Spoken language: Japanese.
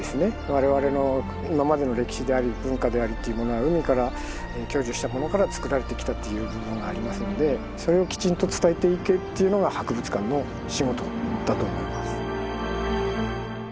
我々の今までの歴史であり文化でありというものは海から享受したものからつくられてきたという部分がありますのでそれをきちんと伝えていくというのが博物館の仕事だと思います。